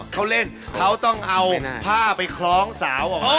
เขาเล่นเขาต้องเอาผ้าไปคล้องสาวออกมา